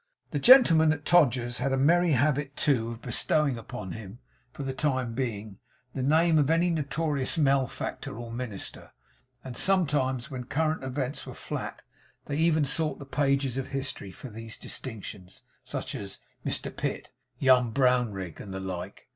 The gentlemen at Todgers's had a merry habit, too, of bestowing upon him, for the time being, the name of any notorious malefactor or minister; and sometimes when current events were flat they even sought the pages of history for these distinctions; as Mr Pitt, Young Brownrigg, and the like.